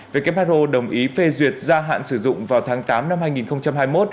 who đồng ý phê duyệt gia hạn sử dụng vào tháng tám năm hai nghìn hai mươi một